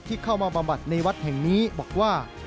เข้ามาบำบัดในวัดแห่งนี้บอกว่า